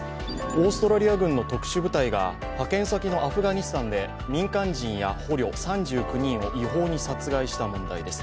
オーストラリア軍の特殊部隊が派遣先のアフガニスタンで民間人や捕虜３９人を違法に殺害した問題です。